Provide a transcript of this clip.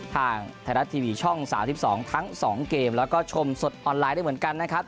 ทางไทยรัฐทีวีช่อง๓๒ทั้ง๒เกมแล้วก็ชมสดออนไลน์ได้เหมือนกันนะครับ